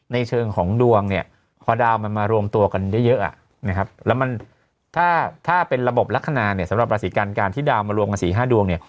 ในเชิงของดวงพอดาวมันมารวมตัวกันเยอะแล้วถ้าเป็นระบบลักษณะสำหรับราศิการการที่ดาวมารวมกัน๔๕ดวง